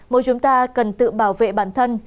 mỗi chúng ta cần tự bảo vệ bản thân